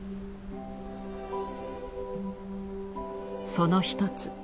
その一つ。